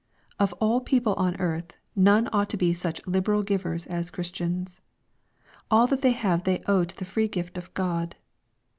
Of all people on earth, none ought to be such liberal givers as Christians. All that they have they owe to the free gift of God.